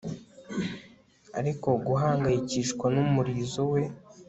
Ariko guhangayikishwa numurizo we